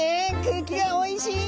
空気がおいしい！